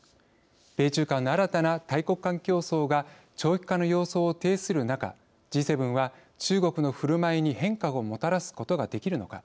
米中間の新たな大国間競争が長期化の様相を呈する中Ｇ７は、中国のふるまいに変化をもたらすことができるのか。